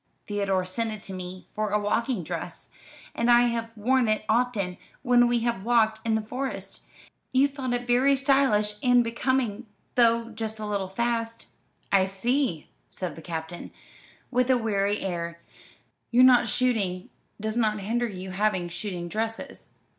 Theodore sent it to me for a walking dress, and I have worn it often when we have walked in the Forest. You thought it very stylish and becoming, though just a little fast." "I see," said the Captain, with a weary air, "your not shooting does not hinder your having shooting dresses.